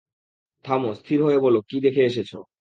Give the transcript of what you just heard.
থাম স্থির হয়ে বল, কি দেখে এসেছ?